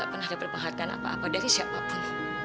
tante pernah berpenghargaan apa apa dari siapapun